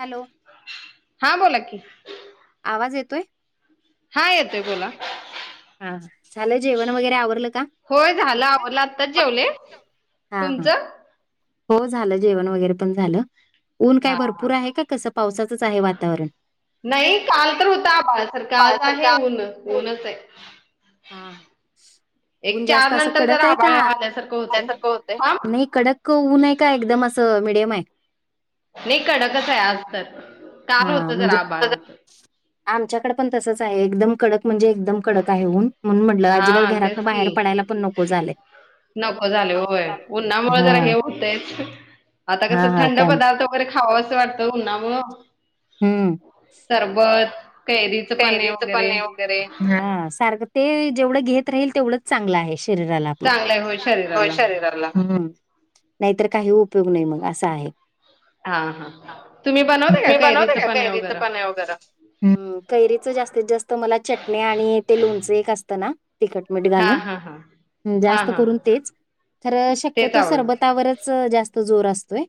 Hello. हा बोला की. आवाज येतोय? हा येतोय बोला. हा, झालं जेवण वगैरे आवरलं का? आताच जेवले, तुमचं. हो झालं, जेवण वगैरे पण झालं. ऊन काय भरपूर आहे का, कसं, पावसाचंच आहे वातावरण. नाही काल तर होत आबाळा सारखं, आज आहे ऊन, ऊनच आहे. हा, ह ऊन जास्त असं कडक आहे का? भाजल्या सारखं होतय. नाही कडक ऊन आहे का, एकदम असं मिडियम हाय. नाही कडकस आहे आज तर, काम होत तर आबाळ होत. आमच्याकडे पन तसंच हाय, एकदम कडक म्हणजे एकदम कडक आहे ऊन, म्हणून म्हटलं अजिबात घरा बाहेर पडायला पण नको झालंय. नको झालय होय, उन्हामुळे जरा हे होतंच, आता कस थंड पदार्थ गैरे खावं असं वाटतं उन्हा मुळं. हम्म. सरबत, कैरी कैरी चे पने वगैरे, सारखं ते जेवढं घेत राहील तेवढंच चांगलं आहे. शरीराल्या आपल्या, होय शरीराला, हम्म. नाहीतर काही उपयोग नाही मग असा आहे. हा मी बनवते का, काैरीच पण आहे वगैरा. कैरीच जास्तीत-जास्त मला चटणी आणि ते लोणचं एक असतं ना तिखट मीठ घालून. जास्त करून तेच खर शक्यतो सरबत. सरबता वरच जास्त जोर असतोय.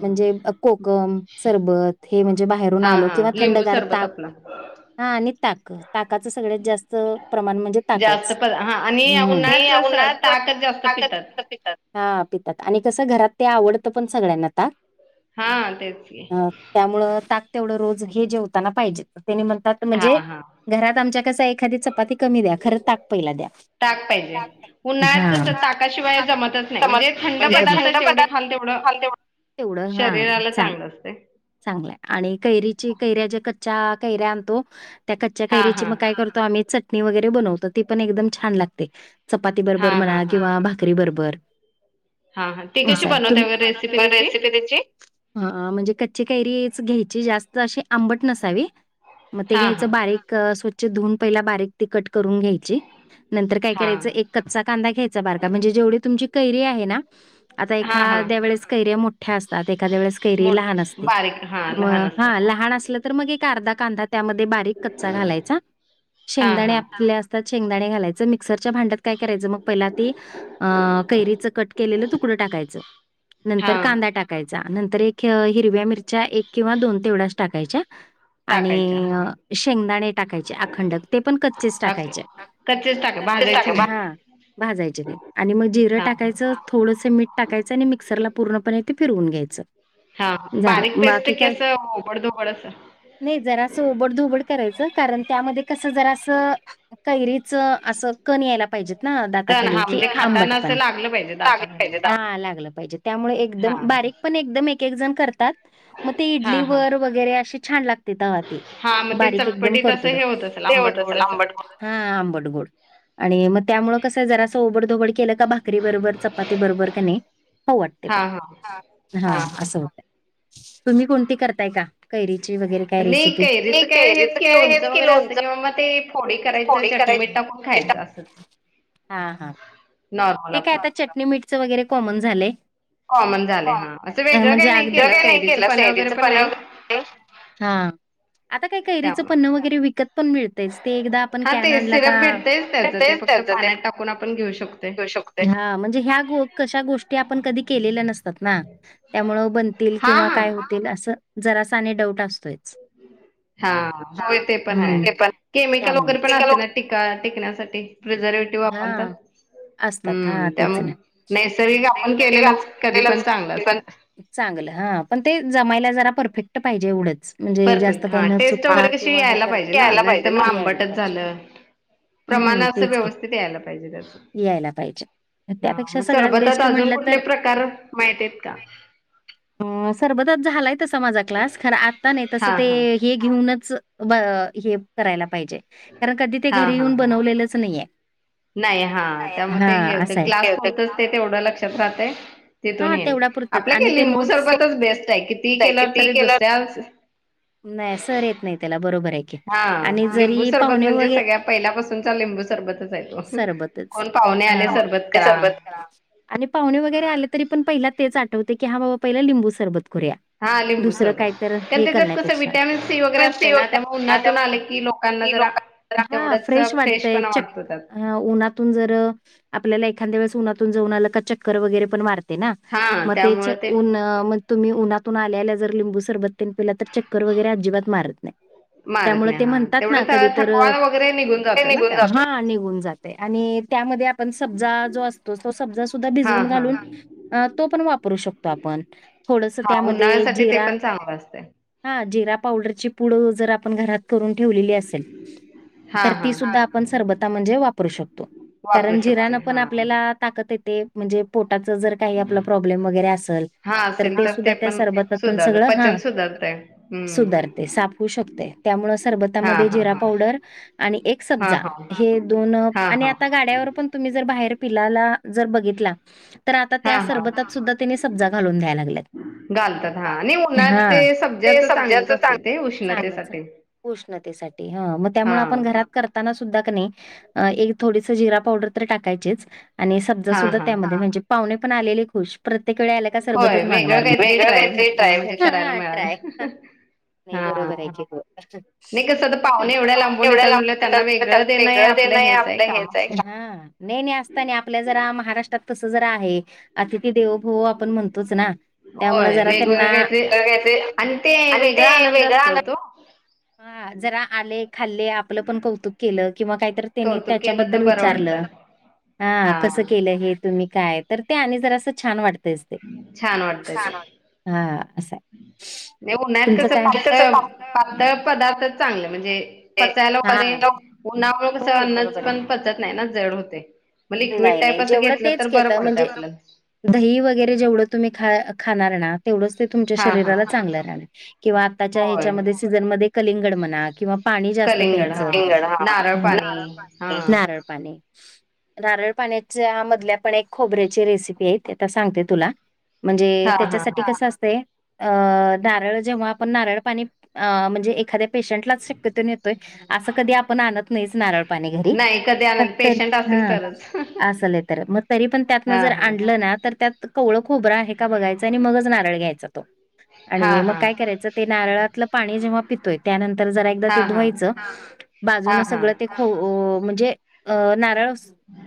म्हणजे कोकम, सरबत, हे म्हणजे बाहेरून आलो, किंवा थंडगार ताक. हा आणि ताक. ताकाच सगळ्यात जास्त प्रमाण म्हणजे ताकच, हम्म, नई या उन्हाळ्यातच ताकच पितात, हा पितात, आणि कसं घरात ते आवडतं पण सगळ्यांना ताक. हा तेच की. त्यामुळ ताक तेवढं रोज हे जेवताना पाहिजे, तेनी म्हणतात हा, हा. घरात आमच्या कस हाय एखादी चपाती कमी द्या, खरं ताक पहिला द्या. ताक पाहिजे, उन्हाळत कस ताकाशिवाय जमतच नाही, म्हणजे थंड पदार्थ जेवढे खाल तेवढं शरीराला चांगलं असते. चांगलंय, आणि कैऱ्या ज्या कच्च्या कैऱ्या आणतो. त्या कच्च्या कैरीची मग काय करतो, आम्ही चटणी वगैरे बनवतो, ती पण एकदम छान लागते. चपाती बरोबर म्हणा, किंवा भाकरी बरोबर. अस हाय, तुम्ही बन रेसिपी त्याची. म्हणजे कच्ची काैरीच घ्यायची, जास्त अशी आंबट नसावी. मग ते घ्यायचं बारीक, स्वच्छ धुन पहिला बारीक ते कट करून घ्यायची. नंतर काय करायच एक कच्चा कांदा घ्यायचा बारका म्हणजे जेवढी तुमची कैरी आहे ना. आता एखाद्या वेळेस कैर्या मोठ्या असतात, एखाद्या वेळेस कैरी लहान असतात. म हा लहा लहान असलं तर मग एक अर्धा कांदा त्यामध्ये बारीक कच्चा घालायचा. शेंगदाणे आपले अस त्यात शेंगदाणे घालायच. मी मिक्सरच्या भांड्यात काय करायचं मग पहिला ते, अ कैरीच कट केलेलं तुकडं टाकायचं. नंतर कांदा टाकायचा. नंतर एक अ हिरव्या मिर च्या एक किंवा दोन तेवढ्याच टाकायच्या. आणि शेंगदाणे टाकायचे. अखंडक ते पण कच्चेच टाकायचे. कच्चेंच टाकायचे. हा भाजायचे नाही. आणि मग जिरं टाकायचं. थोडंस मीठ टाकायचं आणि मिक्सरला पूर्णपणे ते फिरवून घ्यायचं. हा बारीक पेस्ट की, असं ओबडधोबड असं नाही जरासं ओबडधोबड करायचं. कारण त्यामध्ये कसं जरासं कैरीच अस कण यायला पाहिजेत ना दाताखाली की, आंबटपण पण, लागल पाहिजे, हा लागलं पाहिजेत. त्यामुळे एकदम बारीक पण, एकदम एक एक जण कर तात. म ते इडलीवर वगैरे अशी छान लागते तवा ती बारीक एकदम करतो त हे होत असलं आंबटगोड, हा आंबटगोड आणि म त्यामुळे कसं जरासं ओबडधोबड केलं का भाकरी बरोबर चपाती बरोबर क नी खाऊ वाटतंय बघ, हा, हा असं होतंय. तुम्ही कोणती करताय का? कैरीची वगैरे काय रेसिपी, ते कैरीच काय हेच की काय लोणचं वगैरे असं ते [inaudible] करायची [inaudible] हा हा ते काय आता चटणी मिठचं वगैरे कॉमन झालंय. हो म्हणजे, अगद्य काय नाय केला कैरीचं पन्ह व लो, हा आता कैरीचं पन्ह वगैरे विकत पण मिळतयच. ते एकदा आपण कॅन आणला का [unintelligible] येतय च त्याचं ते पण आपण घेऊ शक शकतोय. हा म्हणजे ह्या गो कशा गोष्टी आपण कधी केलेल्या नसतात ना त्यामुळ बनतील. किंवा काय होतील. असं जरासा आणि डाऊट असतोयच. हा होय. ते पण हाय, केमिकल वगैरे पण असते ना टिक टिकण्यासाठी प्रिझर्वेटिव वापरतात. हूं, त्यामु नैसर्गिक आपण केलेलंच कधी पण चांगलं असणार. चांगल हा, पण ते जमायला जरा परफेक्ट पाहिजे, एवढंच म्हणजे जास्त काय न चुकता किंवा हे करता, हां यायला पाहिजे ना यायला पाहिजे प्रमाणा असं व्यवस्थित यायला पाहिजे त्यांच हा म सरबतात अजून कुठले प्रकार माहीती येत का? हं सरबतातं झालाय तसा माझा क्लास, खर आता नाय तस ते हे म्हणुन च ब हे करायला पाहिजे. कारण कधी ते घरी येऊन बनवलेलंच नाहीये नाही हा त्यामुळं हे होतं. क्लास पुरतच ते तेवढं लक्षात राहतय तिथून हे नई. आपलं काय लिंबू सरबतच बेस्ट आय कितीही केल तरी दुसऱ्याच नाय, सर येत नाय, त्याला बरोबर आय हा लिबुं सरबत म्हणजे सगळ्यात पहिल्यापासूनचा लिंबू सरबतच हाय तो कोण पाहुणे आले. सरबत करा. आणि पाहुणे वगैरे आले, तरी पण पहिला तेच आठवतंय की हा बाबा पहिला लिंबू सरबत करूया दुसरं काय तर हे करण्यापेक्षा [unintelligible] हा फ्रेश वाटते चक्क''--'' ह उन्हातून जर आपल्याला एखाद्या वळेस ऊनातून जाऊन आलं का चक्कर वगैरे पण मारते ना. मग तेच ऊण म तुम्ही उन्हातून आल्याल्या जर लिंबू सरबत्तेन पीला तर चकर''--'' चक्कर वैगेरे अजिबात मारत नाही. त्यामुळे ते म्हणतात ना कधी तर ते निघुन जातात -हा निघून जातात. आणि त्यामध्ये आपण सब्जा जो असतो तो सब्जा सुद्धा भिजवुन घालून. तो पण वापरू शकतो आपण थोडस त्यामध्ये जीरा. हा, जिरा पावडरची पुडं जर आपण घरात करून ठेवलेली असेल. तर ती सुद्धा आपण सरबता म्हणजे वापरू शकतो कारण जिरयाण आपण आपल्याला. ताकत येते म्हणजे पोटाच जर काही आप प्रॉब्लेम वगैरे असल. तर ते सुद्धा त्या सरबतातून सगळं हा, सुधारते साप होऊ शकते. त्यामुळे सरबतामध्ये जिरा पावडर आणि एक सब्जा हे दोन आणि आता गाड्यावर पण तुम्ही जर बाहेर पीलाला जर बघितला तर आता. त्या सरबतात सुधा तीणीं सब्जा घालुन द्यायला लागल्यात हा, ते सब्जा च. ते उष्णतेसाठी. ऊष्णतेसाठी ह त्यामुळे आपण घरात. करताना सुद्धा कनी अ एक थोडीस जिरा पावडर तर टाकायचीच. आणि सब्जा सुद्धा त्यामध्ये म्हणजे पाहुणे पण आलेले खुश. प्रत्येक वेळी आल्या का सबतच मागणार वेगळ काहीतरी ट्राय हा, ट्राय. नाही बरोबर आहे तुझ ह ते कस पाहुणे तेवढ्या लांबुन. वेगळं देणं हे आपलं हेच आहे ह. नाही नाही असता नाही आपल्या जरा महाराष्ट्रात तसं जरा आहे अतिथी देवभव आपण म्हणतोच ना. त्यामुळ जरा त्यांना काय येतय अगं ते वेगळं अनात. हा, जरा आले खाल्ले आपलं पण कौतुक केलं किंवा काही तर. त्यांनी त्याच्याबद्दल विचारलं हा, कसं केलं हे. तुम्ही काय तर ते आणि जरा असं छान वाटतयच ते- छान वाटतय हा असं हाय. म्हणजे उन्हाळयात कसं पातळ पातळ पदार्थच चांगलं म्हणजे. पचायला वगैरे उन्हामुळ कसं अन्न च पण पचत नाही ना जड होतय. मग लिक्विड टाईप असं घेतलं तर बरं पडतं आपल. दही वगैरे जेवढं तुम्ही खा खाणार आहे ना. तेवडच तुमच्या शरीराला चांगल राहील किंवा आताच्या हेच्या मध्ये. सीझन मध्ये कलिंगड म्हणा किंवा. पाणी जास्त प्यायचं हिंगडा नारळ पाणी नारळ. पाणी नारळ पाण्याच्या मधल्या पण एक खोबऱ्याची रेसिपी आहे ते सांगते तुला म्हणजे त्याच्यासाठी कसं अस''--'' ते अ नारळ जेव्हा आपण नारळ अ पाणी म्हणजे एखाद्या. पेशंटलाच शक्यतो न्हेतोय अस कधी आपण आणत नाहीच नारळ पाणी घरी फक ते. तरच. असल तर मग तरी पण त्यातनं जर आणलं ना तर त्यात कवळं खोबरं आहे का बघायचं आणि मगच नारळ घ्यायच. च ते आणि मग काय करायचं ते नारळातलं पाणी जेव्हा पितोय. त्यानंतर जरा एकदा ते धुवायचं बाजून सगळं ते खव. अ म्हणजे नारळ अ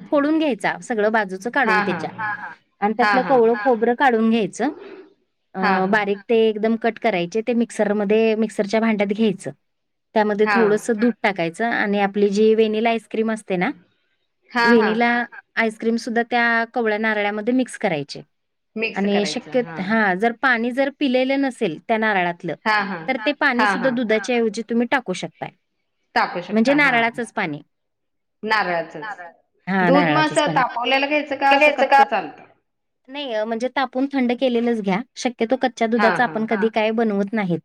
फोडून घ्यायचा सगळ बाजूच काढून त्याच्या हा हा, आणि त्यातलं कवळं खोबरं काढून घ्यायचं. हा हा, ते एकदम कट करायचे ते मिक्सर मध्ये मिक्सरच्या भांड्यात घ्यायचं त्यामध्ये थोडस दुध. टाकायचं आणि आपली जी व्हेनिला आईस्क्रीम असते ना व्हेनिला आईस्क्रीम सुद्धा त्या कवळ्या नारळमध्ये मिक्स करायची. आणि शक्य हा जर पाणी जर पिलेलं नसेल त्या नारळातलं, तर ते पाणी सुद्धा दुधाच्याऐवजी तुम्ही टाकू शकताय. म्हणजे नारळाचंच पाणी. नारळाचंच, दूध म असं तापवल्याला घ्यायचं का असं कच्च चालतं. नाही म्हणजे तापून थंड केलेलंच घ्या, शक्यतो कच च्या दुधाचं आपण कधी काय बनवत नाहीत.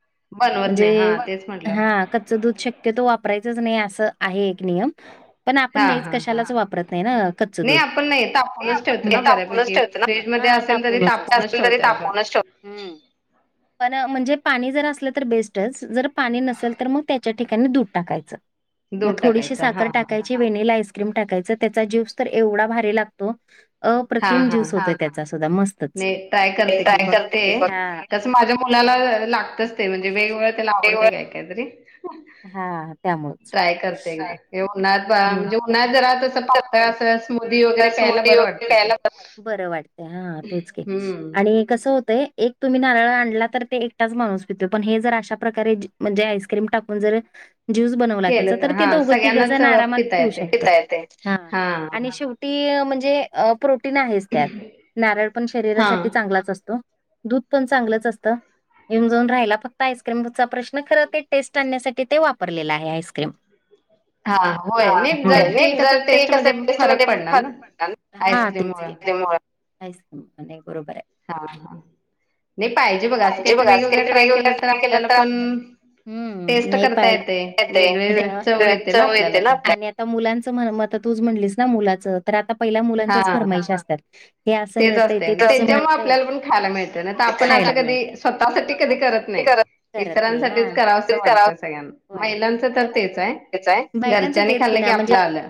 म्हणजे हा कच्च दुध शक्यतो वापरायचच नाही, असं आहे एक नियम. पण आपण नाहीच कशालाच वापरत नाही ना कच्चं दुध. ते आपण नेहमी तापवुनच ठेवतो ना परत. तरी तापूनच ठेव [inaudible] पण म्हणजे पाणी जर असलं तर बेस्टच, जर पाणी नसेल तर मग त्याच्या ठिकाणी दूध टाकायचं. मं थोडीशी साखर टाकायची. व्हेनीला आईस्क्रीम टाकायचं. त्याचा जूस तर एवढा भारी लागतो. अप्रतिम ज्युस होतो तो. त्याचा सुद्धा मस् नाही ट्राय करते की, बघते तसं माझ्या मुलाला लागतच ते. म्हणजे वेगवेगळं त्याला आवडत काय काहीतरी. हा त्यामुळेच. काय? उन्हात म्हणजे उन्हात जरा तसं, पावसात अस स्मुदी वगैरे प्यायला बरं वाटतं ते. बरं वाटतंय, हा तेच की. आणि कसं होतंय, एक तुम्ही नारळ आणला तर, ते एकटाच माणूस पितो.. पण हे जर अशा प्रकारे म्हणजे आईस्क्रीम टाकुन जर ज्युस बनवला त्याचा, तर ते दोघं तिघं जनात पिऊ शकता, पिता येतंय. हं आणी शेवटी म्हणजे प्रोटीन आहेच त्यात. नारळ पण शरीरासाठी चांगलाच असतो. दूध पण चांगलंच असतं. येऊन जाऊन राहिला फक्त येऊन जाऊन राहिला फक्त आईस्क्रीमचा प्रश्न, खरं ते टेस्ट आणण्यासाठी ते वापरलेला आहे आइस्क्रीम. हा. हा नै जर ते कसं, टेस्ट मध्ये फरक पडता ना. हा तेच कि, त्याच्यामुळं आईस्क्रीम, अनेक बरोबरये. हा हा नही पाहिजे बघ, असं काहीतरी वेगवेगळ ट्राय केलं तर आपल्याला पण टेस्ट करता येतंय, वेगवेगळे चव येते ना आपल्याला पण. मुलांचं म्हण म आता तूच म्हणलीस ना मुलाचं. तर आता पहिल्या मुलांच्याच फरमाईश असत्यात. हे असं मिळतंय, ते तसं मिळतंय. खायला मिळतं. ते नई तर आपण असं कधी स्वतःसाठी कधी करत नही. इतरांसाठीच करावसं वाटतं सगळ्यांना. महिलांचं तर तेच आहे, घरच्यांनी खाल्लं की आपलं आलं.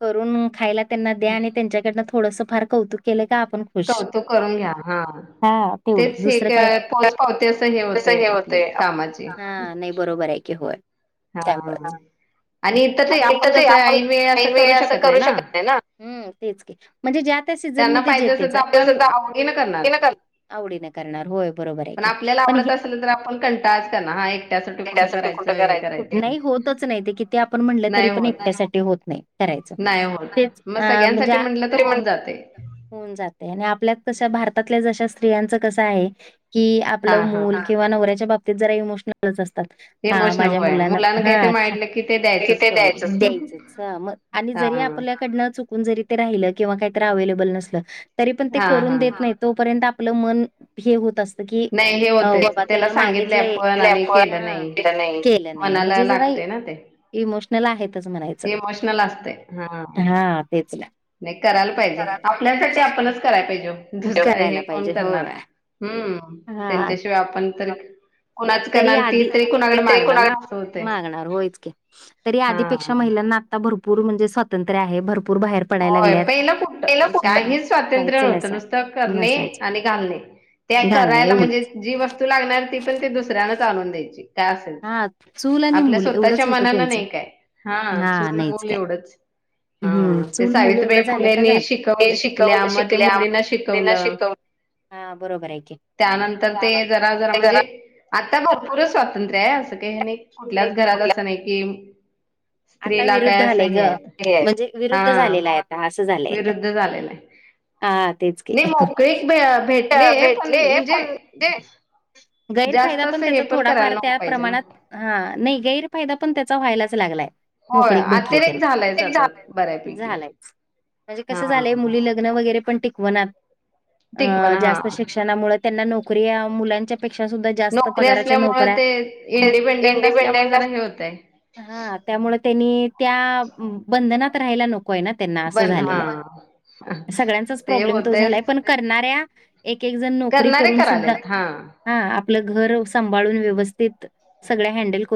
करून खायला त्यांना द्या, आणि त्यांच्याकडनं थोडसं फार कौतुक केलं का आपण कौतुक करून घ्या हां. तेच हे का पोच पावती असं हे होतय आपली कामाची. बरोबर आहे की, होय हा. आणि हे कसंये, आपण वेगवेगळं असं करू शकत नाही ना. तेच की म्हणजे ज्या त्या सीझनमध्ये जे तेच आहे. [unintelligible] ते नाही करणार होय बरोबर आहे की, पण हि आपल्याला एकट्यासाठी कुठं करायचं? नाही होतच नाही ते किती आपण म्हणलं तरी पण एकट्यासाठी होत नाही करायचं तेच मग सगळ्यांसाठी म्हटलं तर होऊन जाते. होऊन जाते आणि आपल्यात कसं भारतातल्या जश्या स्त्रियांचं कसं आहे? कि आपलं मुल किंवा नवऱ्याच्या बाबतीत जरा इमोशनल असतात, हा माझ्या मुलांना हा ते द्यायचंच हा मग आणि जरी आपल्याकडनं चुक चुकून जरी ते राहिलं किंवा काही तरी अविलेबल नसलं तरी पण ते करुन देत नाही तो पर्यंत आपण आपलं मन हे होत असतं की बाबा त्यांन मागितलय आपण केलं नाही. नाही म्हणजे जरा ही इमोशनल आहेतच म्हणायचं, हा तेचना. नाही करायला पाहिजे आपल्यासाठी आपणच करायला पाहिजे दुसरं हे कोण करणार, हम्म त्यांच्याशिवाय आपण तरी तरी आधी, ते तरी कोणाला मागणार, मागणार होयच कि तरी आधीपेक्षा महिलांना आता भरपूर म्हणजे स्वातंत्र आहे, भरपूर बाहेर होय पहिलं कुठं काही स्वातंत्र्य नव्हतं नुसतं करणे आणि घालणे. ते करायला म्हणजे जी पण वस्तू लागणार ती पण ते दुसऱ्यानं आणून द्यायची. काय असेल ते आपल्या स्वतःच्या मनाला नाही काय, हा चूल, मूल एवढंच. हा ते सावित्रीबाई फुलेंनी शिकवलंय, शिकल्या मग ते मुलींना शिकवलं. त्यानंतर ते जरा, जरा म्हणजे आता भरपूरच स्वातंत्र्य आहे असं काही नाही कुठल्याच घरात असं नाही कि आता विरुद्ध आलंय ग म्हणजे विरुद्ध झालेला आहे आता असं झालय. हा तेच की भेटले पण ते गैरफायदा पण त्याचा थोडाफार त्या प्रमाणात हा नाही गैरफायदा पण त्याचा व्हायलाच लागलाय. मोकळीक भेटली तरी झालाय, झालायच म्हणजे कस झालंय मुलीला लग्न वगैरे पण टिकवणात. अ जास्त शिक्षणामुळे त्यांना नोकऱ्या मुलांच्या पेक्षा सुद्धा जास्त पगाराच्या नोकऱ्या तेच इंडिपेंडेंट असतात. हा त्यामुळे त्यांनी त्या बंधनात राहायला नको नकोय त्यांना अस झालेलं आहे सगळ्यांचाच प्रॉब्लेम तो झालाय पण करणाऱ्या एक, एक जण नोकरी करून सुद्धा हा आपलं घर सांभाळून व्यवस्थित सगळं हँडल करुन